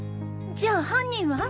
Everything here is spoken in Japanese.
じゃあ犯人は？